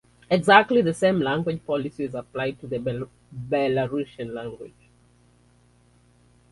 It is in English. Exactly the same language policy is applied to the Belarusian language.